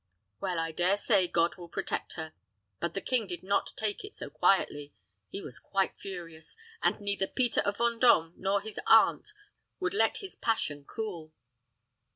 Well, I dare say God will protect her.' But the king did not take it so quietly. He was quite furious; and neither Peter of Vendôme nor his aunt would let his passion cool."